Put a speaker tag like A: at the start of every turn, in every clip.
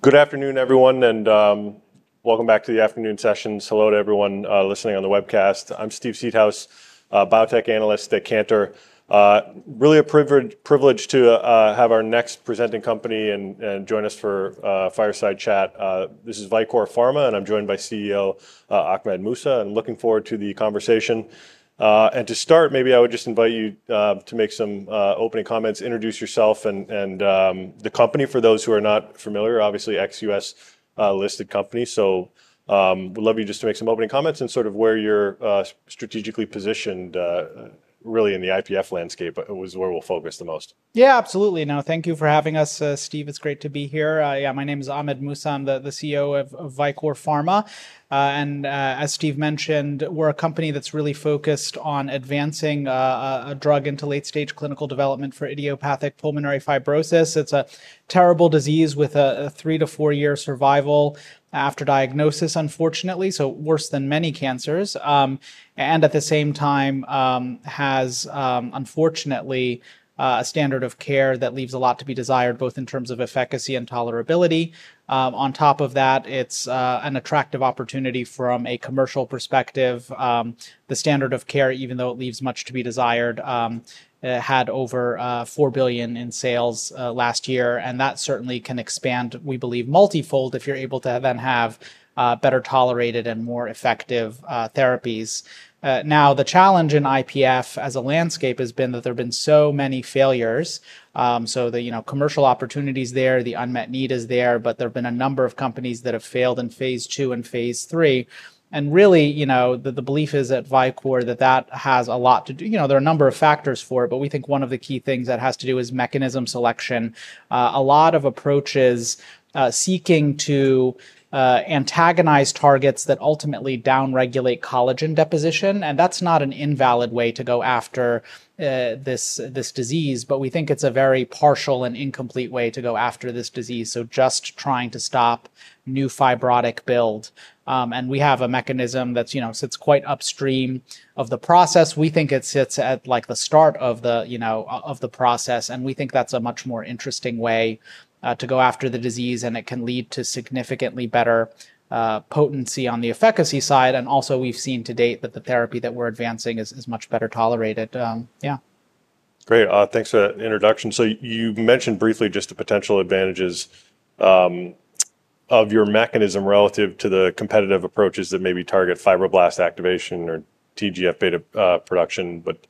A: Good afternoon, everyone, and welcome back to the afternoon sessions. Hello to everyone listening on the webcast. I'm Steve Seedhouse, biotech analyst at Cantor, really a privilege to have our next presenting company and join us for fireside chat. This is Vicore Pharma, and I'm joined by CEO Ahmed Mousa. I'm looking forward to the conversation, and to start, maybe I would just invite you to make some opening comments, introduce yourself and the company for those who are not familiar. Obviously, ex-U.S. listed companies. So we'd love you just to make some opening comments and sort of where you're strategically positioned, really, in the IPF landscape is where we'll focus the most.
B: Yeah, absolutely. No, thank you for having us, Steve. It's great to be here. Yeah, my name is Ahmed Mousa. I'm the CEO of Vicore Pharma. And as Steve mentioned, we're a company that's really focused on advancing a drug into late-stage clinical development for idiopathic pulmonary fibrosis. It's a terrible disease with a three-year to four-year survival after diagnosis, unfortunately, so worse than many cancers. And at the same time, it has, unfortunately, a standard of care that leaves a lot to be desired, both in terms of efficacy and tolerability. On top of that, it's an attractive opportunity from a commercial perspective. The standard of care, even though it leaves much to be desired. It had over $4 billion in sales last year. And that certainly can expand, we believe, multifold if you're able to then have better-tolerated and more effective therapies. Now, the challenge in IPF as a landscape has been that there have been so many failures. So the commercial opportunities there, the unmet need is there, but there have been a number of companies that have failed in phase II and phase III. And really, the belief is at Vicore that that has a lot to do. There are a number of factors for it, but we think one of the key things that has to do is mechanism selection. A lot of approaches seeking to antagonize targets that ultimately downregulate collagen deposition. And that's not an invalid way to go after this disease, but we think it's a very partial and incomplete way to go after this disease. So just trying to stop new fibrotic build. And we have a mechanism that sits quite upstream of the process. We think it sits at the start of the process. And we think that's a much more interesting way to go after the disease. And it can lead to significantly better potency on the efficacy side. And also, we've seen to date that the therapy that we're advancing is much better tolerated. Yeah.
A: Great. Thanks for that introduction. So you've mentioned briefly just the potential advantages of your mechanism relative to the competitive approaches that maybe target fibroblast activation or TGF beta production. But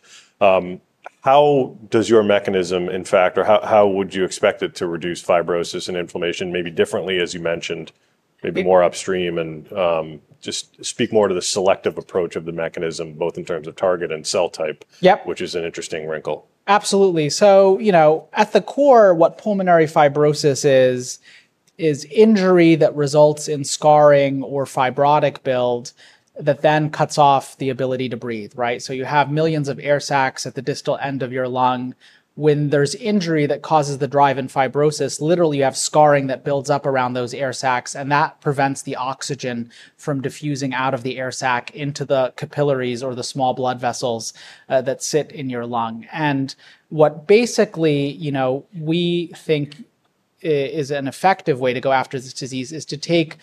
A: how does your mechanism, in fact, or how would you expect it to reduce fibrosis and inflammation maybe differently, as you mentioned, maybe more upstream and just speak more to the selective approach of the mechanism, both in terms of target and cell type, which is an interesting wrinkle?
B: Absolutely, so at the core, what pulmonary fibrosis is, is injury that results in scarring or fibrotic build that then cuts off the ability to breathe, right, so you have millions of air sacs at the distal end of your lung. When there's injury that causes the drive in fibrosis, literally, you have scarring that builds up around those air sacs, and that prevents the oxygen from diffusing out of the air sac into the capillaries or the small blood vessels that sit in your lung, and what basically we think is an effective way to go after this disease is to take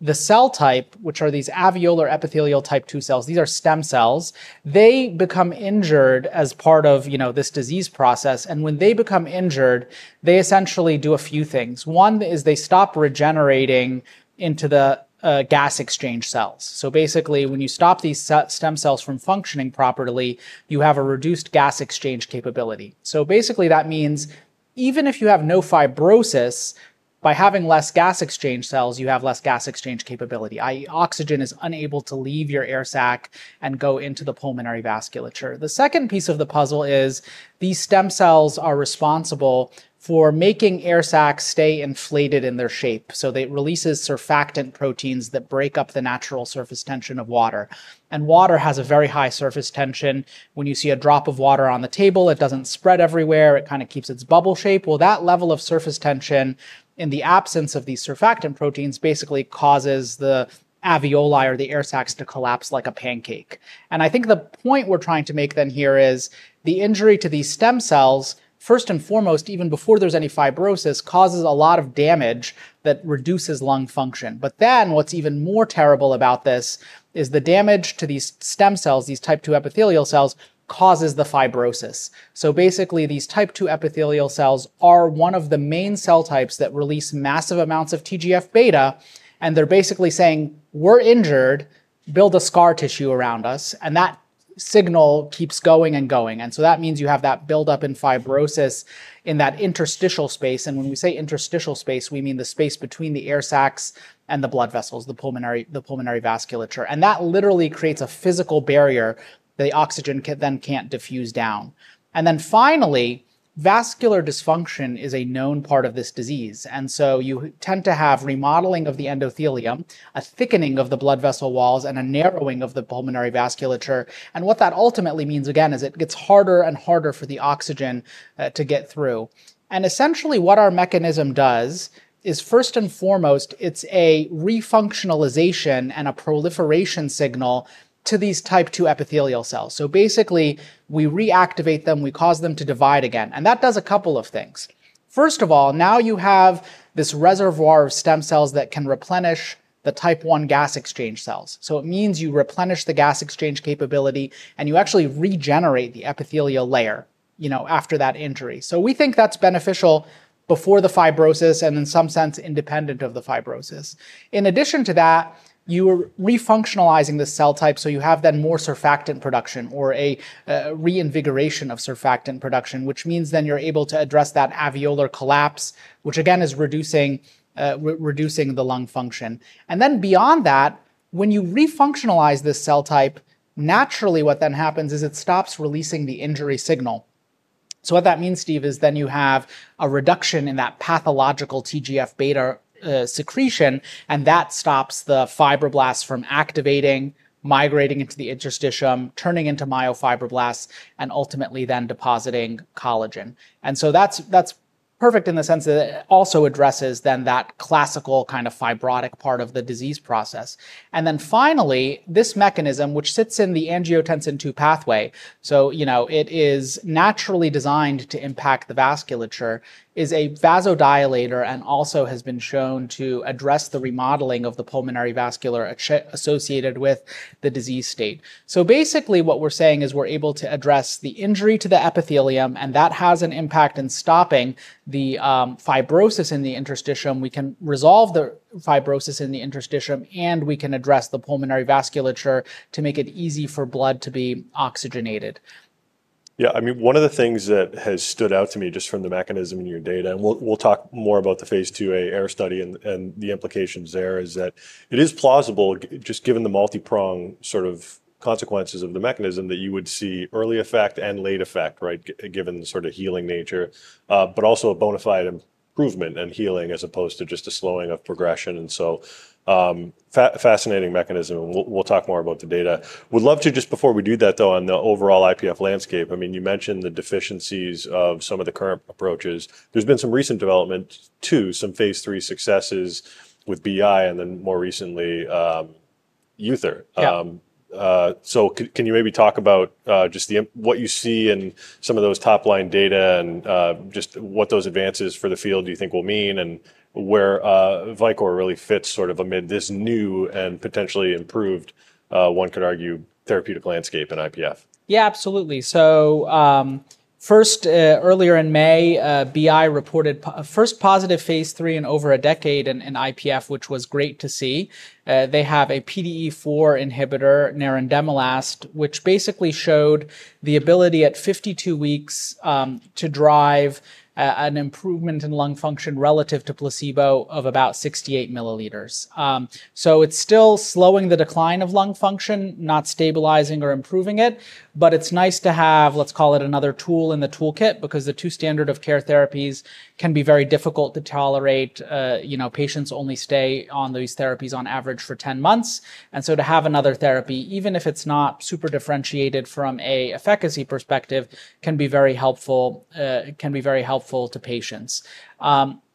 B: the cell type, which are these alveolar epithelial type II cells. These are stem cells. They become injured as part of this disease process. And when they become injured, they essentially do a few things. One is they stop regenerating into the gas exchange cells. So basically, when you stop these stem cells from functioning properly, you have a reduced gas exchange capability. So basically, that means even if you have no fibrosis, by having less gas exchange cells, you have less gas exchange capability, i.e., oxygen is unable to leave your air sac and go into the pulmonary vasculature. The second piece of the puzzle is these stem cells are responsible for making air sacs stay inflated in their shape. So they release surfactant proteins that break up the natural surface tension of water. And water has a very high surface tension. When you see a drop of water on the table, it doesn't spread everywhere. It kind of keeps its bubble shape. Well, that level of surface tension in the absence of these surfactant proteins basically causes the alveoli or the air sacs to collapse like a pancake. And I think the point we're trying to make then here is the injury to these stem cells, first and foremost, even before there's any fibrosis, causes a lot of damage that reduces lung function. But then what's even more terrible about this is the damage to these stem cells, these type II epithelial cells, causes the fibrosis. So basically, these type II epithelial cells are one of the main cell types that release massive amounts of TGF beta. And they're basically saying, we're injured, build a scar tissue around us. And that signal keeps going and going. And so that means you have that buildup in fibrosis in that interstitial space. And when we say interstitial space, we mean the space between the air sacs and the blood vessels, the pulmonary vasculature. And that literally creates a physical barrier that the oxygen then can't diffuse down. And then finally, vascular dysfunction is a known part of this disease. And so you tend to have remodeling of the endothelium, a thickening of the blood vessel walls, and a narrowing of the pulmonary vasculature. And what that ultimately means, again, is it gets harder and harder for the oxygen to get through. And essentially, what our mechanism does is, first and foremost, it's a refunctionalization and a proliferation signal to these type II epithelial cells. So basically, we reactivate them. We cause them to divide again. And that does a couple of things. First of all, now you have this reservoir of stem cells that can replenish the type I gas exchange cells. So it means you replenish the gas exchange capability, and you actually regenerate the epithelial layer after that injury. So we think that's beneficial before the fibrosis and in some sense independent of the fibrosis. In addition to that, you are refunctionalizing the cell type, so you have then more surfactant production or a reinvigoration of surfactant production, which means then you're able to address that alveolar collapse, which again is reducing the lung function. And then beyond that, when you refunctionalize this cell type, naturally, what then happens is it stops releasing the injury signal, so what that means, Steve, is then you have a reduction in that pathological TGF beta secretion. And that stops the fibroblasts from activating, migrating into the interstitium, turning into myofibroblasts, and ultimately then depositing collagen, and so that's perfect in the sense that it also addresses then that classical kind of fibrotic part of the disease process. And then finally, this mechanism, which sits in the angiotensin II pathway, so it is naturally designed to impact the vasculature, is a vasodilator and also has been shown to address the remodeling of the pulmonary vasculature associated with the disease state. So basically, what we're saying is we're able to address the injury to the epithelium. And that has an impact in stopping the fibrosis in the interstitium. We can resolve the fibrosis in the interstitium, and we can address the pulmonary vasculature to make it easy for blood to be oxygenated.
A: Yeah. I mean, one of the things that has stood out to me just from the mechanism in your data, and we'll talk more about the phase IIa AIR study and the implications there, is that it is plausible, just given the multi-pronged sort of consequences of the mechanism, that you would see early effect and late effect, right, given the sort of healing nature, but also a bona fide improvement and healing as opposed to just a slowing of progression, and so fascinating mechanism. We'll talk more about the data. We'd love to just, before we do that, though, on the overall IPF landscape, I mean, you mentioned the deficiencies of some of the current approaches. There's been some recent development too, some phase III successes with BI and then more recently United Therapeutics. So can you maybe talk about just what you see in some of those top-line data and just what those advances for the field you think will mean and where Vicore really fits sort of amid this new and potentially improved, one could argue, therapeutic landscape in IPF?
B: Yeah, absolutely, so first, earlier in May, BI reported first positive phase III in over a decade in IPF, which was great to see. They have a PDE4 inhibitor, nerandomilast, which basically showed the ability at 52 weeks to drive an improvement in lung function relative to placebo of about 68 ml, so it's still slowing the decline of lung function, not stabilizing or improving it, but it's nice to have, let's call it, another tool in the toolkit because the two standard of care therapies can be very difficult to tolerate. Patients only stay on these therapies on average for 10 months, and so to have another therapy, even if it's not super differentiated from an efficacy perspective, can be very helpful to patients.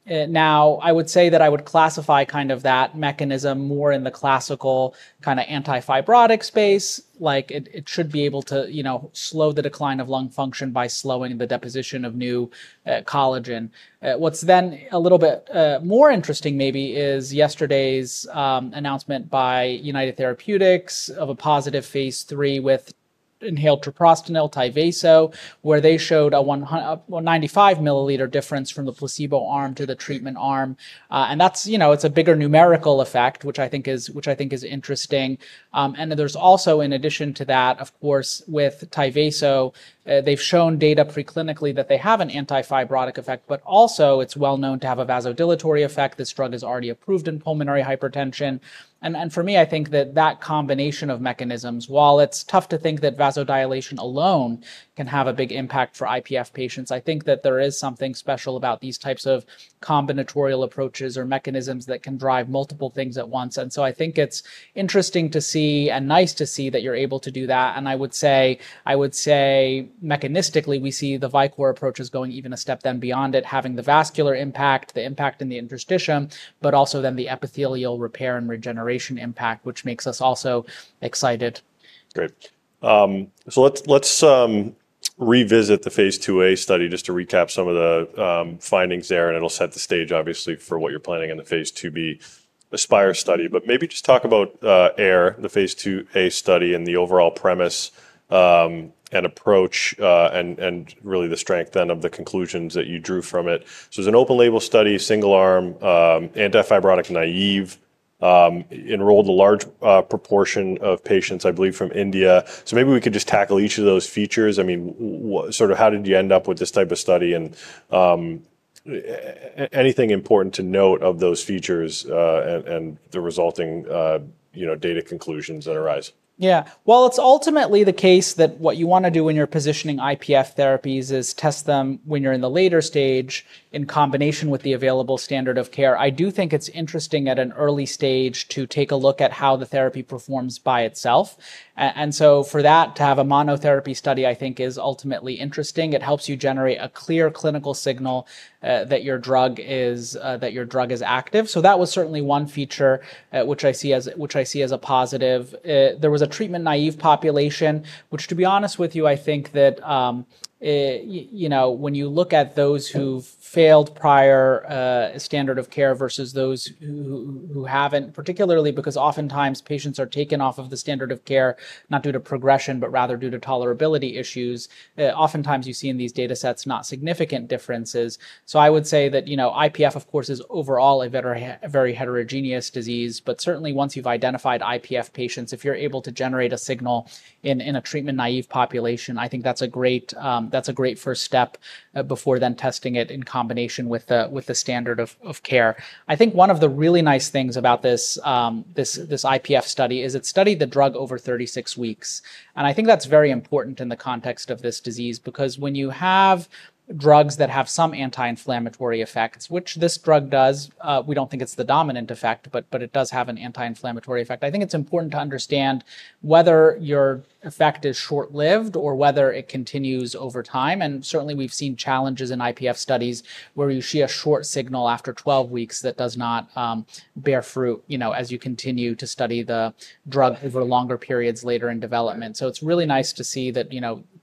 B: Now, I would say that I would classify kind of that mechanism more in the classical kind of antifibrotic space. It should be able to slow the decline of lung function by slowing the deposition of new collagen. What's then a little bit more interesting maybe is yesterday's announcement by United Therapeutics of a positive phase III with inhaled treprostinil, Tyvaso, where they showed a 95 ml difference from the placebo arm to the treatment arm, and it's a bigger numerical effect, which I think is interesting, and there's also, in addition to that, of course, with Tyvaso, they've shown data preclinically that they have an antifibrotic effect, but also it's well known to have a vasodilatory effect. This drug is already approved in pulmonary hypertension. And for me, I think that that combination of mechanisms, while it's tough to think that vasodilation alone can have a big impact for IPF patients, I think that there is something special about these types of combinatorial approaches or mechanisms that can drive multiple things at once. And so I think it's interesting to see and nice to see that you're able to do that. And I would say, mechanistically, we see the Vicore approach is going even a step then beyond it, having the vascular impact, the impact in the interstitium, but also then the epithelial repair and regeneration impact, which makes us also excited.
A: Great. So let's revisit the phase IIa study just to recap some of the findings there. And it'll set the stage, obviously, for what you're planning in the phase IIb Aspire study. But maybe just talk about AIR, the phase IIa study, and the overall premise and approach and really the strength then of the conclusions that you drew from it. So it's an open-label study, single-arm, antifibrotic, naive, enrolled a large proportion of patients, I believe, from India. So maybe we could just tackle each of those features. I mean, sort of how did you end up with this type of study and anything important to note of those features and the resulting data conclusions that arise?
B: Yeah. Well, it's ultimately the case that what you want to do when you're positioning IPF therapies is test them when you're in the later stage in combination with the available standard of care. I do think it's interesting at an early stage to take a look at how the therapy performs by itself. And so for that, to have a monotherapy study, I think, is ultimately interesting. It helps you generate a clear clinical signal that your drug is active. So that was certainly one feature which I see as a positive. There was a treatment naive population, which, to be honest with you, I think that when you look at those who've failed prior standard of care versus those who haven't, particularly because oftentimes patients are taken off of the standard of care not due to progression, but rather due to tolerability issues, oftentimes you see in these data sets not significant differences. So I would say that IPF, of course, is overall a very heterogeneous disease. But certainly, once you've identified IPF patients, if you're able to generate a signal in a treatment naive population, I think that's a great first step before then testing it in combination with the standard of care. I think one of the really nice things about this IPF study is it studied the drug over 36 weeks. And I think that's very important in the context of this disease because when you have drugs that have some anti-inflammatory effects, which this drug does, we don't think it's the dominant effect, but it does have an anti-inflammatory effect. I think it's important to understand whether your effect is short-lived or whether it continues over time. And certainly, we've seen challenges in IPF studies where you see a short signal after 12 weeks that does not bear fruit as you continue to study the drug over longer periods later in development. So it's really nice to see that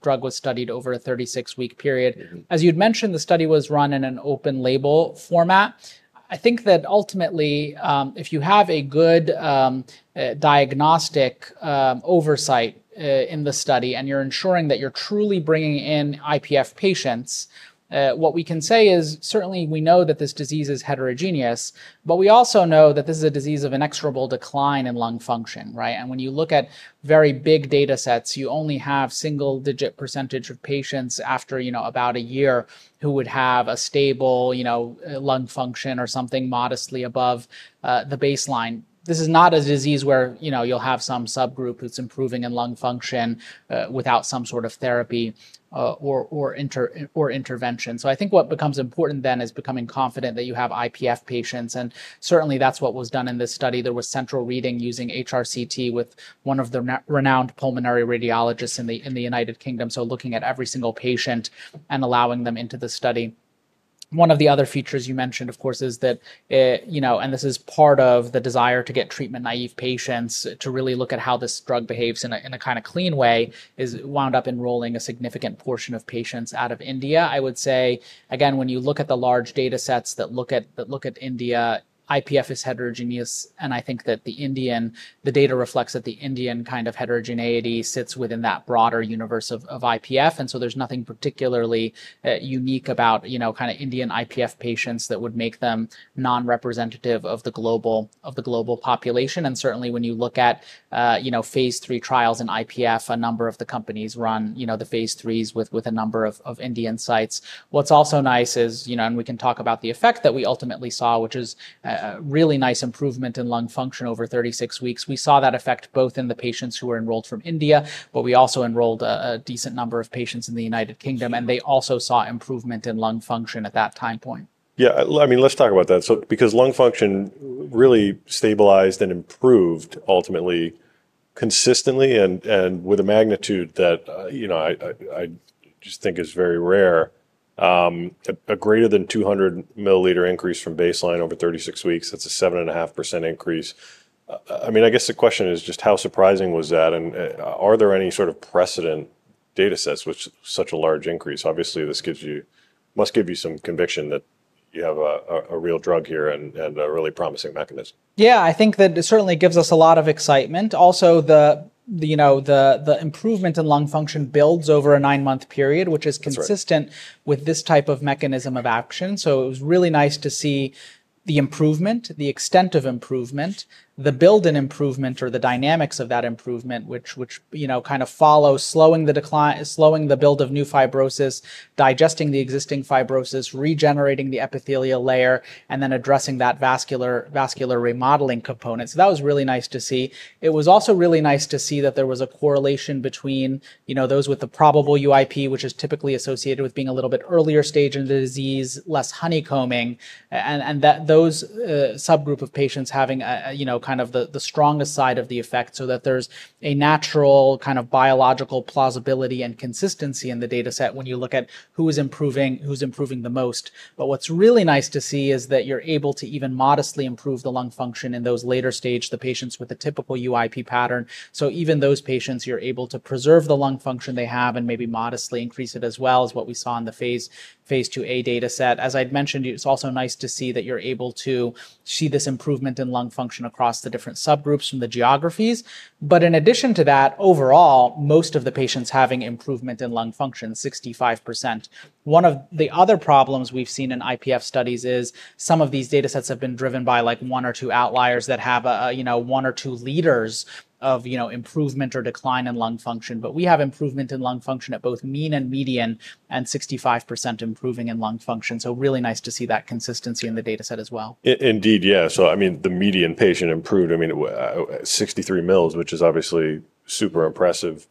B: drug was studied over a 36-week period. As you'd mentioned, the study was run in an open-label format. I think that ultimately, if you have a good diagnostic oversight in the study and you're ensuring that you're truly bringing in IPF patients, what we can say is certainly we know that this disease is heterogeneous, but we also know that this is a disease of inexorable decline in lung function, right, and when you look at very big data sets, you only have single-digit percentage of patients after about a year who would have a stable lung function or something modestly above the baseline. This is not a disease where you'll have some subgroup who's improving in lung function without some sort of therapy or intervention, so I think what becomes important then is becoming confident that you have IPF patients, and certainly, that's what was done in this study. There was central reading using HRCT with one of the renowned pulmonary radiologists in the United Kingdom. So, looking at every single patient and allowing them into the study. One of the other features you mentioned, of course, is that, and this is part of the desire to get treatment naive patients to really look at how this drug behaves in a kind of clean way is we wound up enrolling a significant portion of patients out of India. I would say, again, when you look at the large data sets that look at India, IPF is heterogeneous. And I think that the data reflects that the Indian kind of heterogeneity sits within that broader universe of IPF. And so there's nothing particularly unique about kind of Indian IPF patients that would make them non-representative of the global population. And certainly, when you look at phase III trials in IPF, a number of the companies run the phase IIIs with a number of Indian sites. What's also nice is, and we can talk about the effect that we ultimately saw, which is a really nice improvement in lung function over 36 weeks. We saw that effect both in the patients who were enrolled from India, but we also enrolled a decent number of patients in the United Kingdom, and they also saw improvement in lung function at that time point.
A: Yeah. I mean, let's talk about that. So because lung function really stabilized and improved ultimately consistently and with a magnitude that I just think is very rare, a greater than 200 ml increase from baseline over 36 weeks, that's a 7.5% increase. I mean, the question is just how surprising was that? And are there any sort of precedent data sets with such a large increase? Obviously, this must give you some conviction that you have a real drug here and a really promising mechanism.
B: Yeah. I think that it certainly gives us a lot of excitement. Also, the improvement in lung function builds over a nine-month period, which is consistent with this type of mechanism of action. So it was really nice to see the improvement, the extent of improvement, the built-in improvement, or the dynamics of that improvement, which kind of follows slowing the build of new fibrosis, digesting the existing fibrosis, regenerating the epithelial layer, and then addressing that vascular remodeling component. So that was really nice to see. It was also really nice to see that there was a correlation between those with the probable UIP, which is typically associated with being a little bit earlier stage in the disease, less honeycombing, and those subgroup of patients having kind of the strongest side of the effect so that there's a natural kind of biological plausibility and consistency in the data set when you look at who is improving the most. But what's really nice to see is that you're able to even modestly improve the lung function in those later stage patients with a typical UIP pattern. So even those patients, you're able to preserve the lung function they have and maybe modestly increase it as well as what we saw in the phase IIa data set. As I'd mentioned, it's also nice to see that you're able to see this improvement in lung function across the different subgroups from the geographies. But in addition to that, overall, most of the patients having improvement in lung function, 65%. One of the other problems we've seen in IPF studies is some of these data sets have been driven by like one or two outliers that have one or two liters of improvement or decline in lung function. But we have improvement in lung function at both mean and median and 65% improving in lung function. So really nice to see that consistency in the data set as well.
A: Indeed, yeah. So I mean, the median patient improved, I mean, 63 ml, which is obviously super impressive.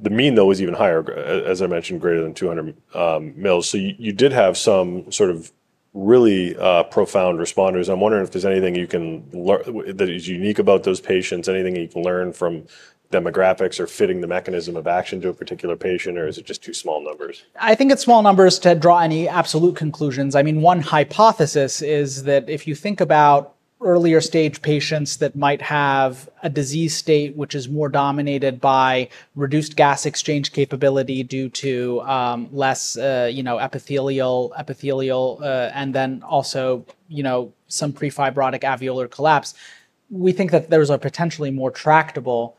A: The mean, though, was even higher, as I mentioned, greater than 200 ml. So you did have some sort of really profound responders. I'm wondering if there's anything you can learn that is unique about those patients, anything you can learn from demographics or fitting the mechanism of action to a particular patient, or is it just too small numbers?
B: I think it's small numbers to draw any absolute conclusions. I mean, one hypothesis is that if you think about earlier stage patients that might have a disease state which is more dominated by reduced gas exchange capability due to less epithelial and then also some prefibrotic alveolar collapse, we think that there's a potentially more tractable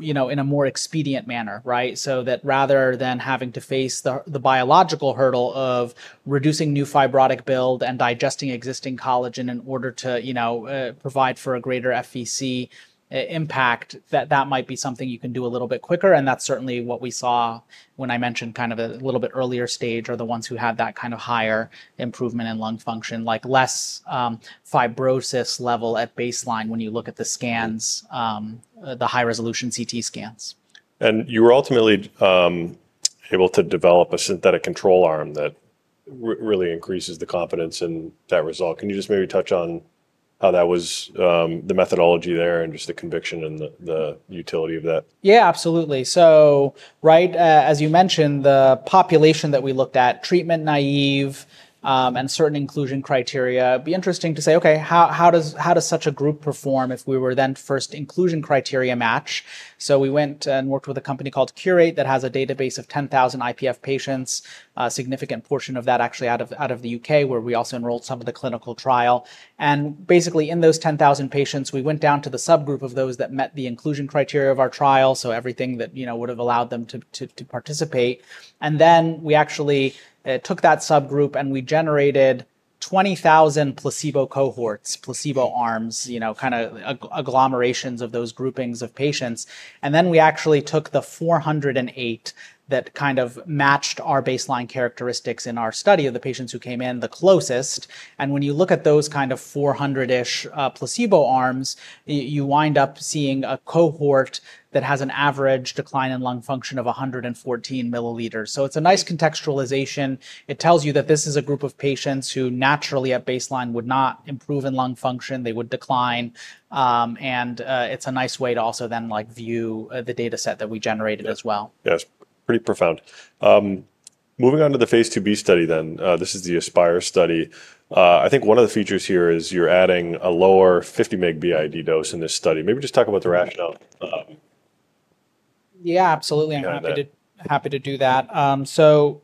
B: in a more expedient manner, right? So that rather than having to face the biological hurdle of reducing new fibrotic build and digesting existing collagen in order to provide for a greater FVC impact, that that might be something you can do a little bit quicker. And that's certainly what we saw when I mentioned kind of a little bit earlier stage or the ones who had that kind of higher improvement in lung function, like less fibrosis level at baseline when you look at the scans, the high-resolution CT scans.
A: You were ultimately able to develop a synthetic control arm that really increases the confidence in that result. Can you just maybe touch on how that was the methodology there and just the conviction and the utility of that?
B: Yeah, absolutely. So, right, as you mentioned, the population that we looked at, treatment naive and certain inclusion criteria, it'd be interesting to say, "Okay, how does such a group perform if we were then first inclusion criteria match?" So we went and worked with a company called Qureight that has a database of 10,000 IPF patients, a significant portion of that actually out of the U.K., where we also enrolled some of the clinical trial. And basically, in those 10,000 patients, we went down to the subgroup of those that met the inclusion criteria of our trial, so everything that would have allowed them to participate. And then we actually took that subgroup and we generated 20,000 placebo cohorts, placebo arms, kind of agglomerations of those groupings of patients. We actually took the 408 that kind of matched our baseline characteristics in our study of the patients who came in the closest. When you look at those kind of 400-ish placebo arms, you wind up seeing a cohort that has an average decline in lung function of 114 ml. It's a nice contextualization. It tells you that this is a group of patients who naturally at baseline would not improve in lung function. They would decline. It's a nice way to also then view the data set that we generated as well.
A: Yes. Pretty profound. Moving on to the phase IIb study then, this is the Aspire study. I think one of the features here is you're adding a lower 50 mg b.i.d. dose in this study. Maybe just talk about the rationale.
B: Yeah, absolutely. I'm happy to do that. So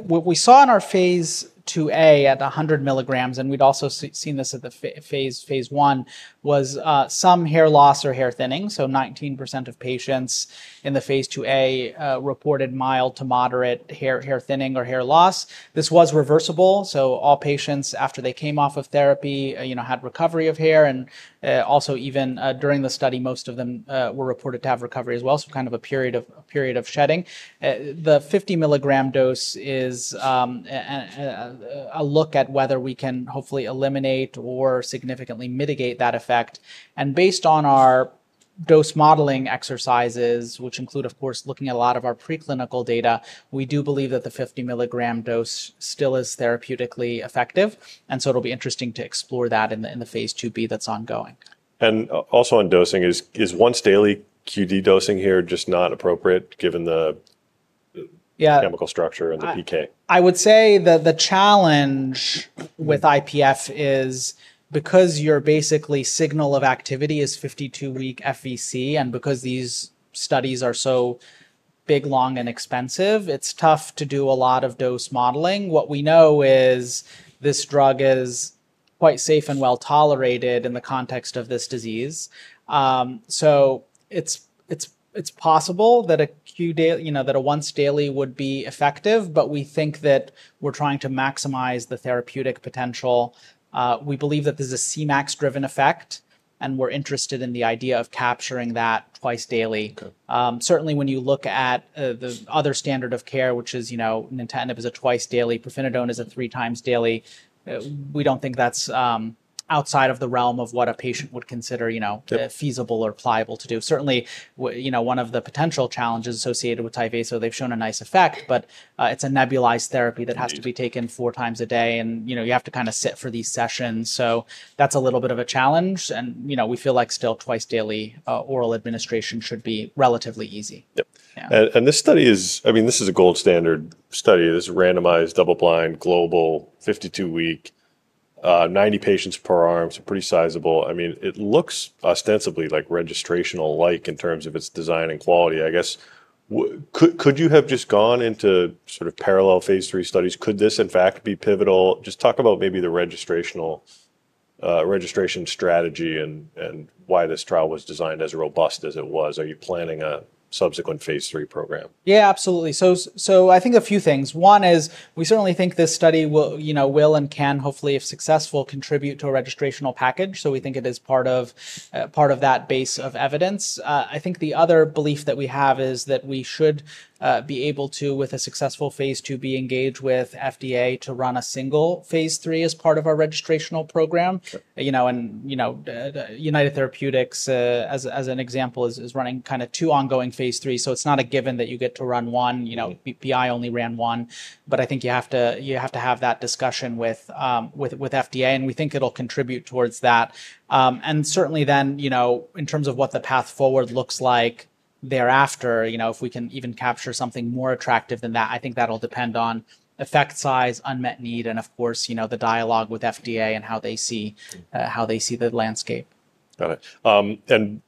B: what we saw in our phase IIa at 100 milligrams, and we'd also seen this at the phase I, was some hair loss or hair thinning. So 19% of patients in the phase IIa reported mild to moderate hair thinning or hair loss. This was reversible. So all patients after they came off of therapy had recovery of hair. And also, even during the study, most of them were reported to have recovery as well, so kind of a period of shedding. The 50 mg dose is a look at whether we can hopefully eliminate or significantly mitigate that effect. And based on our dose modeling exercises, which include, of course, looking at a lot of our preclinical data, we do believe that the 50 mg dose still is therapeutically effective. It'll be interesting to explore that in the phase IIb that's ongoing.
A: Also in dosing, is once daily QD dosing here just not appropriate given the chemical structure and the PK?
B: I would say that the challenge with IPF is because you're basically signal of activity is 52-week FVC, and because these studies are so big, long, and expensive, it's tough to do a lot of dose modeling. What we know is this drug is quite safe and well tolerated in the context of this disease. So it's possible that a once daily would be effective, but we think that we're trying to maximize the therapeutic potential. We believe that this is a Cmax-driven effect, and we're interested in the idea of capturing that twice daily. Certainly, when you look at the other standard of care, which is nintedanib is twice daily, pirfenidone is three times daily, we don't think that's outside of the realm of what a patient would consider feasible or pliable to do. Certainly, one of the potential challenges associated with Tyvaso, they've shown a nice effect, but it's a nebulized therapy that has to be taken four times a day, and you have to kind of sit for these sessions. So that's a little bit of a challenge. And we feel like still twice daily oral administration should be relatively easy.
A: Yep. And this study is, I mean, this is a gold standard study. This is randomized, double-blind, global, 52-week, 90 patients per arm, so pretty sizable. I mean, it looks ostensibly like registrational-like in terms of its design and quality. Could you have just gone into sort of parallel phase III studies? Could this, in fact, be pivotal? Just talk about maybe the registration strategy and why this trial was designed as robust as it was. Are you planning a subsequent phase III program?
B: Yeah, absolutely. So I think a few things. One is we certainly think this study will and can hopefully, if successful, contribute to a registrational package. So we think it is part of that base of evidence. I think the other belief that we have is that we should be able to, with a successful phase IIb, engage with FDA to run a single phase III as part of our registrational program. And United Therapeutics, as an example, is running kind of two ongoing phase IIIs. So it's not a given that you get to run one. BI only ran one. But I think you have to have that discussion with FDA, and we think it'll contribute towards that. And certainly then, in terms of what the path forward looks like thereafter, if we can even capture something more attractive than that, I think that'll depend on effect size, unmet need, and of course, the dialogue with FDA and how they see the landscape.
A: Got it. And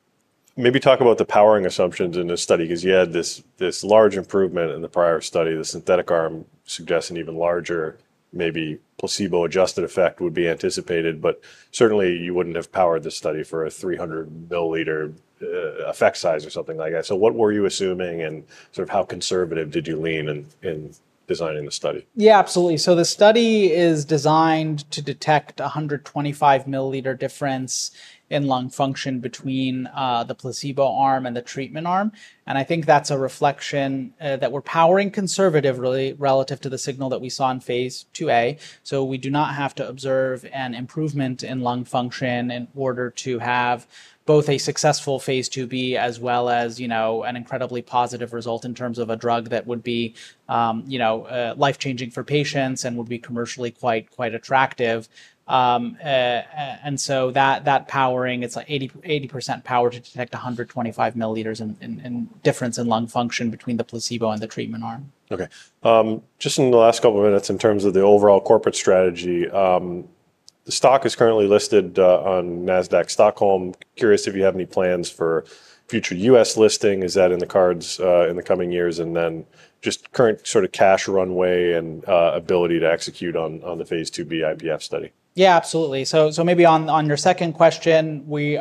A: maybe talk about the powering assumptions in this study because you had this large improvement in the prior study. The synthetic arm suggests an even larger, maybe placebo-adjusted effect would be anticipated. But certainly, you wouldn't have powered this study for a 300 ml effect size or something like that. So what were you assuming, and sort of how conservative did you lean in designing the study?
B: Yeah, absolutely. So the study is designed to detect a 125 milliliter difference in lung function between the placebo arm and the treatment arm. And I think that's a reflection that we're powering conservatively relative to the signal that we saw in phase IIa. So we do not have to observe an improvement in lung function in order to have both a successful phase IIb as well as an incredibly positive result in terms of a drug that would be life-changing for patients and would be commercially quite attractive. And so that powering, it's like 80% power to detect 125 ml in difference in lung function between the placebo and the treatment arm.
A: Okay. Just in the last couple of minutes, in terms of the overall corporate strategy, the stock is currently listed on Nasdaq Stockholm. Curious if you have any plans for future U.S. listing. Is that in the cards in the coming years? And then just current sort of cash runway and ability to execute on the phase IIb IPF study?
B: Yeah, absolutely. So maybe on your second question, we're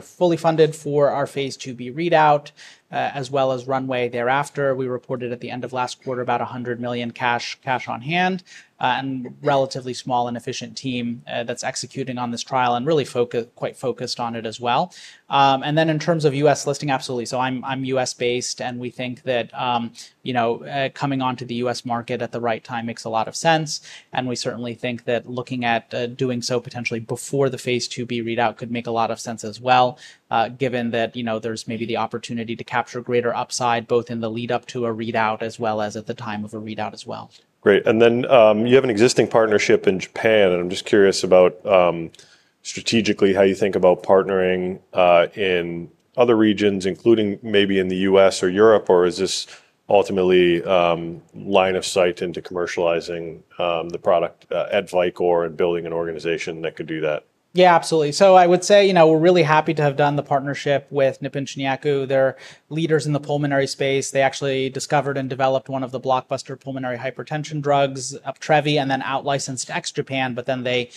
B: fully funded for our phase IIb readout as well as runway thereafter. We reported at the end of last quarter about $100 million cash on hand and a relatively small and efficient team that's executing on this trial and really quite focused on it as well. And then in terms of U.S. listing, absolutely. So I'm U.S.-based, and we think that coming onto the U.S. market at the right time makes a lot of sense. And we certainly think that looking at doing so potentially before the phase IIb readout could make a lot of sense as well, given that there's maybe the opportunity to capture greater upside both in the lead-up to a readout as well as at the time of a readout as well.
A: Great. And then you have an existing partnership in Japan, and I'm just curious about strategically how you think about partnering in other regions, including maybe in the U.S. or Europe, or is this ultimately line of sight into commercializing the product at Vicore and building an organization that could do that?
B: Yeah, absolutely. So I would say we're really happy to have done the partnership with Nippon Shinyaku. They're leaders in the pulmonary space. They actually discovered and developed one of the blockbuster pulmonary hypertension drugs, Uptravi, and then out licensed to ex-Japan, but then they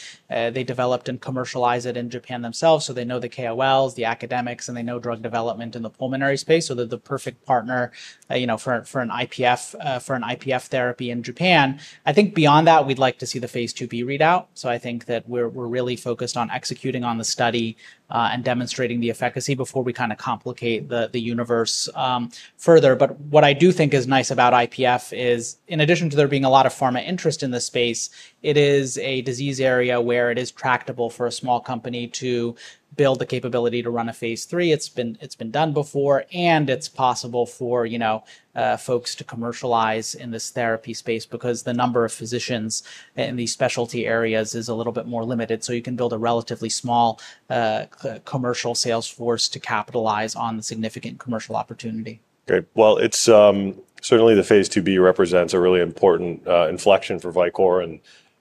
B: developed and commercialized it in Japan themselves. So they know the KOLs, the academics, and they know drug development in the pulmonary space. So they're the perfect partner for an IPF therapy in Japan. I think beyond that, we'd like to see the phase IIb readout. So I think that we're really focused on executing on the study and demonstrating the efficacy before we kind of complicate the universe further. But what I do think is nice about IPF is, in addition to there being a lot of pharma interest in this space, it is a disease area where it is tractable for a small company to build the capability to run a phase III. It's been done before, and it's possible for folks to commercialize in this therapy space because the number of physicians in these specialty areas is a little bit more limited. So you can build a relatively small commercial sales force to capitalize on the significant commercial opportunity.
A: Okay, well, certainly the phase IIb represents a really important inflection for Vicore,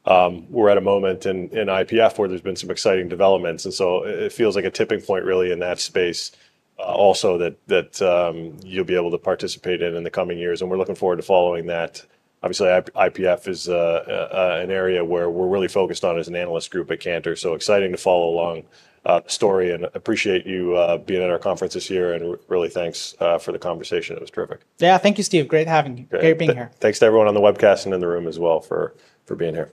A: and we're at a moment in IPF where there's been some exciting developments, and so it feels like a tipping point really in that space also that you'll be able to participate in in the coming years, and we're looking forward to following that. Obviously, IPF is an area where we're really focused on as an analyst group at Cantor, so exciting to follow along the story, and appreciate you being at our conferences here, and really thanks for the conversation. It was terrific.
B: Yeah, thank you, Steve. Great having you. Great being here.
A: Thanks to everyone on the webcast and in the room as well for being here.